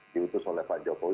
diutus oleh pak jokowi